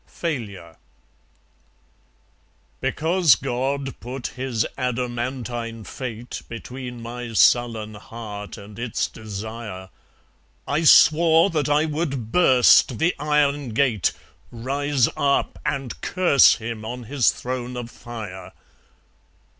Failure Because God put His adamantine fate Between my sullen heart and its desire, I swore that I would burst the Iron Gate, Rise up, and curse Him on His throne of fire.